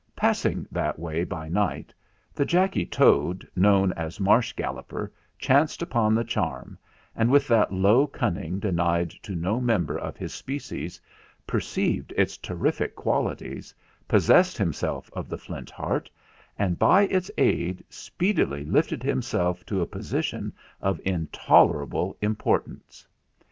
Passing that way by night, the Jacky Toad known as Marsh Galloper chanced upon the charm, and, with that low cunning denied to no member of his species, perceived its terrific qualities, pos sessed himself of the Flint Heart, and, by its aid, speedily lifted himself to a position of in tolerable importance.